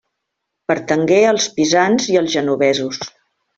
Pertangué als pisans i als genovesos.